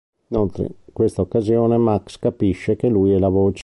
Inoltre questa occasione Max capisce che lui è la Voce.